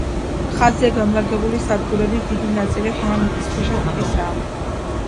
ხაზზე განლაგებული სადგურების დიდი ნაწილი ღრმა მიწისქვეშა ტიპისაა.